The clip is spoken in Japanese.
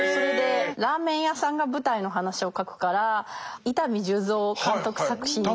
ラーメン屋さんが舞台の話を書くから伊丹十三監督作品の。